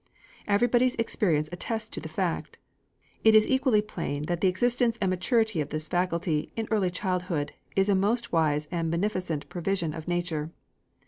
Everybody's experience attests the fact. It is equally plain that the existence and maturity of this faculty in early childhood is a most wise and beneficent provision of nature.